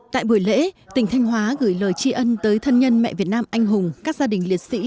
tại buổi lễ tỉnh thanh hóa gửi lời tri ân tới thân nhân mẹ việt nam anh hùng các gia đình liệt sĩ